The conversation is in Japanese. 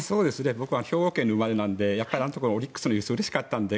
僕は兵庫県生まれなのでやっぱりあのころのオリックスの優勝もうれしかったので